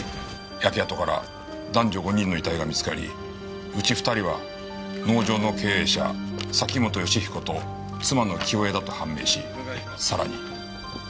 焼け跡から男女５人の遺体が見つかりうち２人は農場の経営者崎本善彦と妻の清江だと判明しさらに。